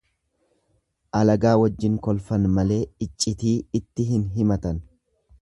Alagaa wajjin kolfan malee iccitii itti hin himatan.